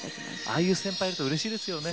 ああいう先輩いるとうれしいですよね。